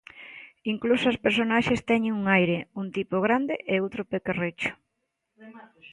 Incluso as personaxes teñen un aire: un tipo grande e outro pequerrecho.